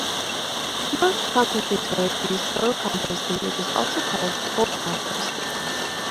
Most composting toilets use slow composting which is also called "cold composting".